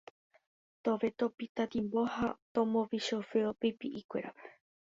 tove topita timbo ha tombovichofeo pipi'ikuéra